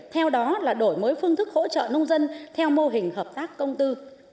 theo đó là đổi mới phương thức hỗ trợ nông dân theo mô hình hợp tác công tư